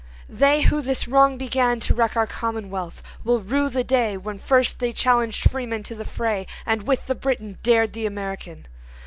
They who this wrong began To wreck our commonwealth, will rue the day When first they challenged freemen to the fray, And with the Briton dared the American.